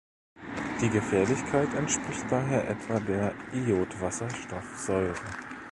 Die Gefährlichkeit entspricht daher etwa der der Iodwasserstoffsäure.